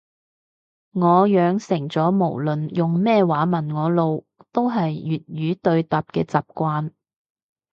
我養成咗無論用咩話問我路都係粵語對答嘅習慣